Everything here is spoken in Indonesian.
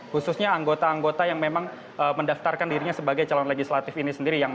khususnya anggota anggota yang memang mendaftarkan dirinya sebagai calon legislatif ini sendiri